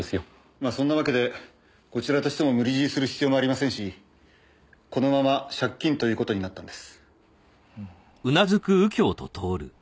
まあそんなわけでこちらとしても無理強いする必要もありませんしこのまま借金という事になったんです。